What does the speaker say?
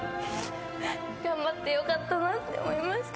頑張ってよかったなって思いました。